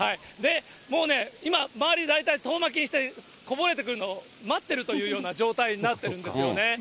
もうね、今、周り、大体、遠巻きにしてこぼれてくるのを待ってるというような状態になってるんですよね。